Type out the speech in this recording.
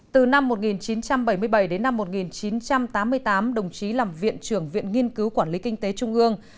từ năm một nghìn chín trăm bảy mươi bảy đến năm một nghìn chín trăm tám mươi tám đồng chí làm viện trưởng viện nghiên cứu quản lý kinh tế trung ương